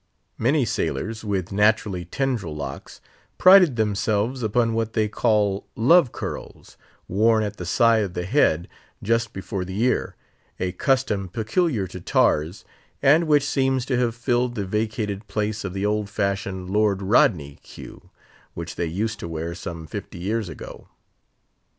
Many sailors, with naturally tendril locks, prided themselves upon what they call love curls, worn at the side of the head, just before the ear—a custom peculiar to tars, and which seems to have filled the vacated place of the old fashioned Lord Rodney cue, which they used to wear some fifty years ago.